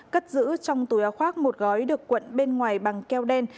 cất giữ trong túi áo khoác một gói được cuộn bên ngoài bằng keo đen